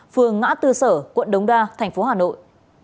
phường ngã tư sở quận đống đa tp hà nội